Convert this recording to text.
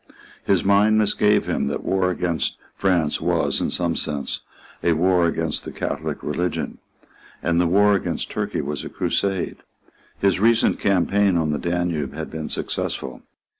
His mind misgave him that the war against France was, in some sense, a war against the Catholic religion; and the war against Turkey was a crusade. His recent campaign on the Danube had been successful.